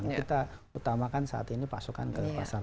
yang kita utamakan saat ini pasokan ke pasar